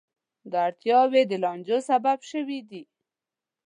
دا اړتیاوې د لانجو سبب شوې دي.